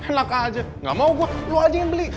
elaka aja gamau gua lu aja yang beli